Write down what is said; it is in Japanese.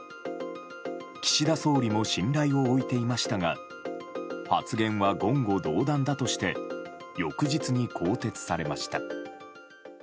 岸田総理も信頼を置いていましたが発言は言語道断だとして翌日に更迭されました。